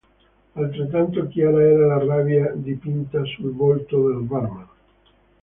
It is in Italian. Altrettanto chiara era la rabbia dipinta sul volto del "barman".